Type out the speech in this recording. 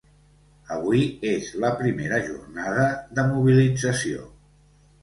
Avui és primera jornada de mobilització.